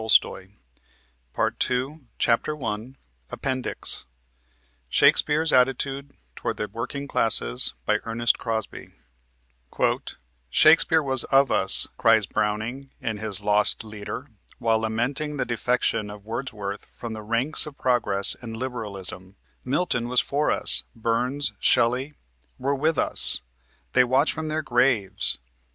LETTER FROM MR. G. BERNARD SHAW, 166 SHAKESPEARE'S ATTITUDE TOWARD THE WORKING CLASSES BY ERNEST CROSBY "Shakespeare was of us," cries Browning, in his "Lost Leader," while lamenting the defection of Wordsworth from the ranks of progress and liberalism "Milton was for us, Burns, Shelley were with us they watch from their graves!"